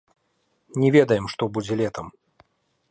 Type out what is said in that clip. Не ведаем, што будзе летам.